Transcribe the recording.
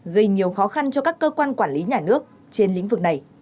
gây nhiều khó khăn cho các cơ quan quản lý nhà nước trên lĩnh vực này